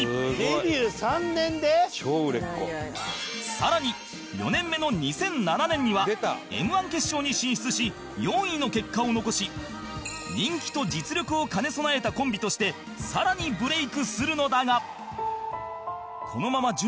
さらに４年目の２００７年には Ｍ−１ 決勝に進出し４位の結果を残し人気と実力を兼ね備えたコンビとしてさらにブレイクするのだが